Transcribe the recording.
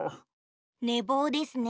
ねぼうですね